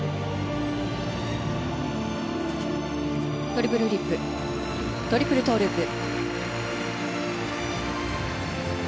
トリプルフリップトリプルトウループ。